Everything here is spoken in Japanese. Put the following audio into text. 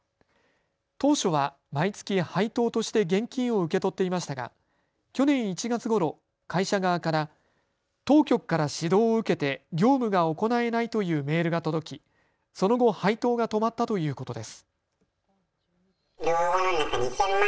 当初は毎月配当として現金を受け取っていましたが去年１月ごろ、会社側から当局から指導を受けて業務が行えないというメールが届きその後、配当が止まったということです。